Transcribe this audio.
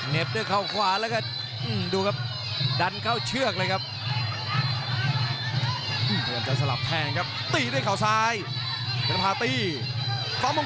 ด้วยเขาขวาแล้วก็ดูครับดันเข้าเชือกเลยครับ